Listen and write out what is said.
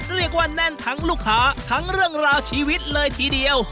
เรียกว่าแน่นทั้งลูกค้าทั้งเรื่องราวชีวิตเลยทีเดียว